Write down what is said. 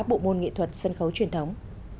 bộ môn nghị thuật sân khấu truyền thống